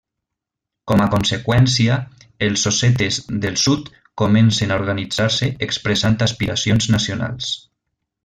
Com a conseqüència, els ossetes del sud comencen a organitzar-se expressant aspiracions nacionals.